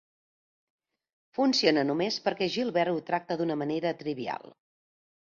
Funciona només perquè Gilbert ho tracta d'una manera trivial.